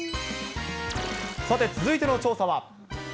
さて続いての調査は。